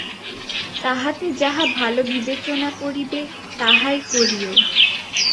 তাহাতে যাহা ভাল বিবেচনা করিবে, তাহাই করিও।